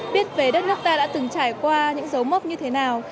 biết về đất nước ta đã từng trải qua những dấu mốc như thế nào